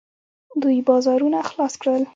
دوی بازارونه خلاص کړل.